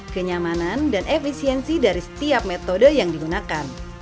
kenyamanan dan efisiensi dari setiap metode yang digunakan